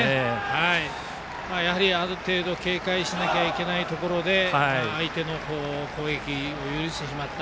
やはり、ある程度警戒しなきゃいけないところで相手の方の攻撃を許してしまった。